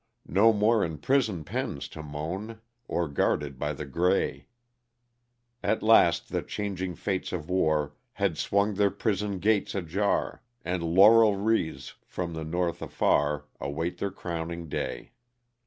No more in prison pens to moan, » Or guarded by the gray ; At last the changing fates of war Had swung their prison " gates ajar," And "laurel wreaths " from the North afar Await their crowning day.